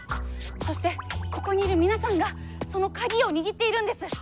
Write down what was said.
そしてここにいる皆さんがその鍵を握っているんです。